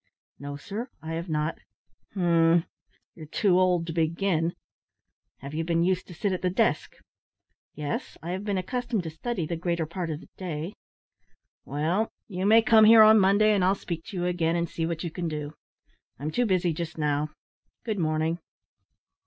"No, sir, I have not." "Umph! you're too old to begin. Have you been used to sit at the desk?" "Yes; I have been accustomed to study the greater part of the day." "Well, you may come here on Monday, and I'll speak to you again, and see what you can do. I'm too busy just now. Good morning."